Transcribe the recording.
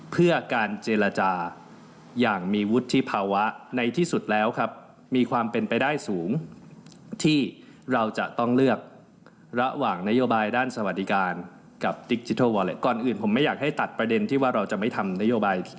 เพราะฉะนั้นก็ต้องให้เก็ดภักดิ์แก่นำเขาด้วย